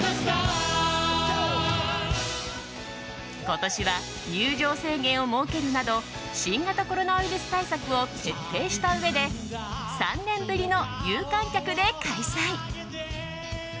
今年は、入場制限を設けるなど新型コロナウイルス対策を徹底したうえで３年ぶりの有観客で開催。